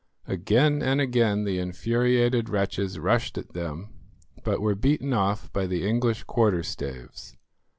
Again and again the infuriated wretches rushed at them; but were beaten off by the English quarter staves.